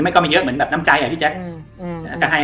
แกก็แกด้านแชคมันไม่เยอะนะคะ